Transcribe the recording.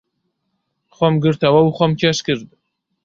خۆم گرتەوە و خۆم کێش کرد.